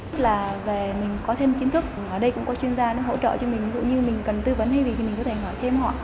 tức là về mình có thêm kiến thức ở đây cũng có chuyên gia hỗ trợ cho mình cũng như mình cần tư vấn hay gì thì mình có thể hỏi thêm họ